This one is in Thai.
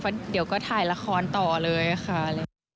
เพราะเดี๋ยวก็ถ่ายละครต่อเลยค่ะ